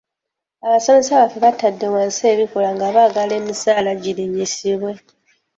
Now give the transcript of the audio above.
Abasomesa baffe baatadde wansi ebikola nga baagala emisaala girinnyisibwe.